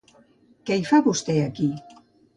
Què hi fa vostè aquí?